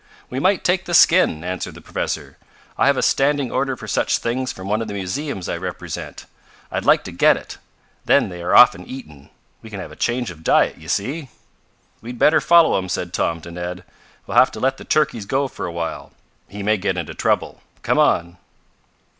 "We might take the skin," answered the professor. "I have a standing order for such things from one of the museums I represent. I'd like to get it. Then they are often eaten. We can have a change of diet, you see." "We'd better follow him," said Tom to Ned. "We'll have to let the turkeys go for a while. He may get into trouble. Come on."